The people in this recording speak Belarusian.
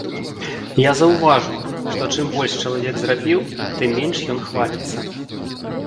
Я заўважыў, што чым больш чалавек зрабіў, тым менш ён хваліцца.